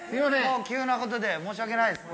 急なことで申し訳ないです